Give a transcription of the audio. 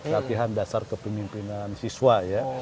latihan dasar kepemimpinan siswa ya